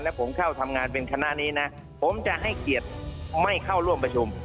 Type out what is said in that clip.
แล้วผมเข้าทำงานเป็นคณะนี้นะผมจะให้เกียรติไม่เข้าร่วมประชุม